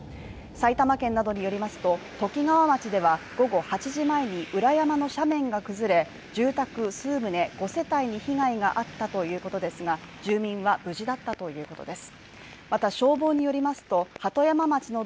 埼玉県などによりますと、ときがわ町では午後８時前に、裏山の斜面が崩れ、住宅数棟５世帯に被害があったということですが、住民は無事だったということです。